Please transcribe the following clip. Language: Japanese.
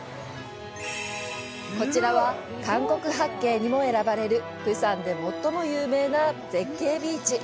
こちらは、韓国八景にも選ばれる釜山で最も有名な絶景ビーチ。